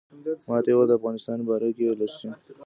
ماته یې ویل د افغانستان باره کې یې لوستي.